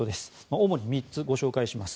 主に３つご紹介します。